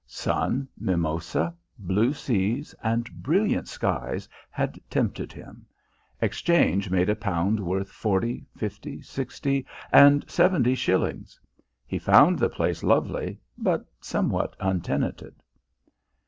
Sun, mimosa, blue seas and brilliant skies had tempted him; exchange made a pound worth forty, fifty, sixty and seventy shillings. He found the place lovely, but somewhat untenanted.